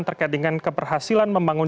terkait dengan keberhasilan membangun